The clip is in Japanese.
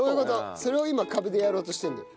それを今カブでやろうとしてるのよ。